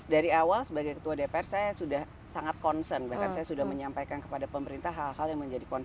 dari awal sebagai ketua dpr saya sudah sangat concern bahkan saya sudah menyampaikan kepada pemerintah hal hal yang menjadi concern